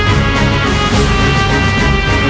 kau tak dapat menangani saya